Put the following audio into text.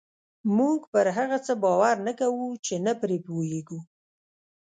موږ پر هغه څه باور نه کوو چې نه پرې پوهېږو.